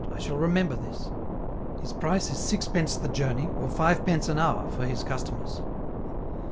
I shall remember this); his price is sixpence the journey, or five pence an hour, for his customers.